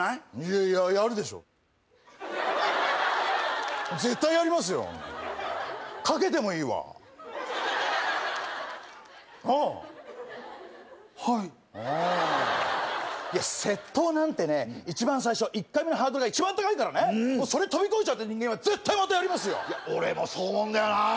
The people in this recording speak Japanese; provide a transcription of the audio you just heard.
いややるでしょ絶対やりますよ賭けてもいいわなあはいうんいや窃盗なんてね一番最初１回目のハードルが一番高いからねそれ飛び越えちゃった人間は絶対またやりますよいや俺もそう思うんだよな